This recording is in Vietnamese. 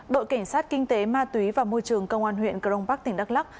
đội cảnh sát kinh tế ma túy và môi trường công an huyện crong park tỉnh đắk lắc